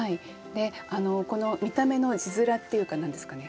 この見た目の字面っていうか何ですかね